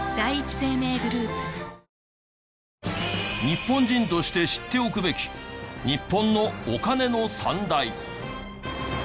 日本人として知っておくべき日本のお金の３大。